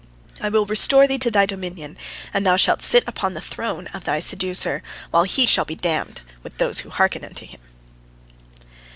I will restore thee to thy dominion, and thou shalt sit upon the throne of thy seducer, while he shall be damned, with those who hearken unto him."